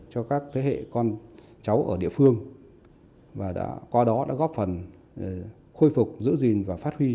cho các thế hệ con cháu ở địa phương và đã qua đó đã góp phần khôi phục giữ gìn và phát huy